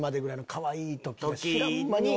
かわいい時に。